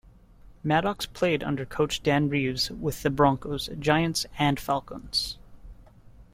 Maddox played under coach Dan Reeves with the Broncos, Giants, and Falcons.